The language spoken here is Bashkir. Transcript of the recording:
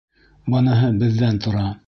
— Быныһы беҙҙән тора.